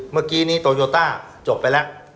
เมื่อกี้นี้โตโยต้าจบไปแล้ว